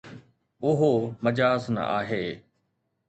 اهو مجاز نه آهي